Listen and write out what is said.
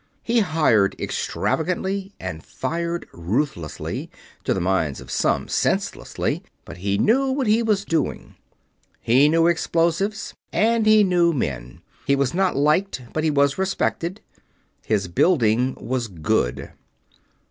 He hired extravagantly and fired ruthlessly to the minds of some, senselessly. But he knew what he was doing. He knew explosives, and he knew men. He was not liked, but he was respected. His building was good.